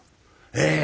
ええ。